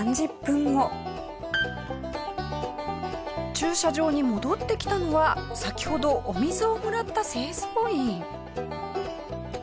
駐車場に戻ってきたのは先ほどお水をもらった清掃員。